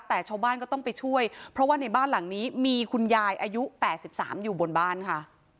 แต่ชาวบ้านก็ต้องไปช่วยเพราะว่าในบ้านหลังนี้มีคุณยายอายุ๘๓อยู่บนบ้านค่ะ